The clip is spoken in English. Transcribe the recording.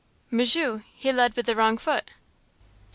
"Monsieur, he led with the wrong foot."